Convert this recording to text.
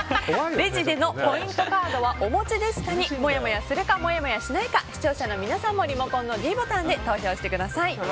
レジでのポイントカードはお持ちですかにもやもやするかもやもやしないか視聴者の皆さんもリモコンのｄボタンで投票してください。